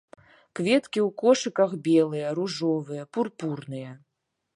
Кветкі ў кошыках белыя, ружовыя, пурпурныя.